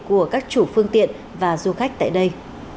của các chủ phương tiện và du khách tại đây